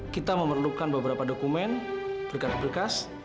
kita memerlukan beberapa dokumen berkas berkas